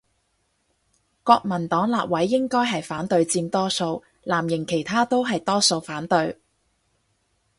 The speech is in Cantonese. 國民黨立委應該係反對佔多數，藍營其他都係多數反對